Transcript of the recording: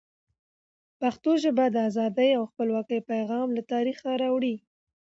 پښتو ژبه د ازادۍ او خپلواکۍ پیغام له تاریخه را وړي.